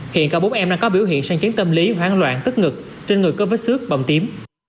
hiện cả bốn em đang có biểu hiện sang chấn tâm lý hoãn loạn tức ngực trên người có vết xước bầm tím